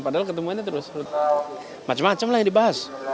padahal ketemuannya terus macam macam lah yang dibahas